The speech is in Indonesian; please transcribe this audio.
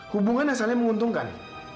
hubungan asalnya menguntungkan